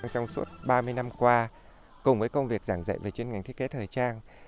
trong suốt ba mươi năm qua cùng với công việc giảng dạy về chuyên ngành thiết kế thời trang